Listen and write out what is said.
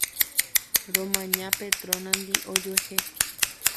Romaña Petrona-ndi ojuehe.